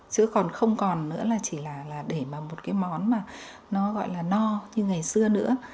chứ còn không còn nữa là chỉ là để mà một cái món mà nó gọi là no như ngày xưa nữa